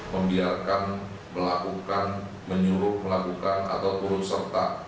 membiarkan melakukan menyuruh melakukan atau turut serta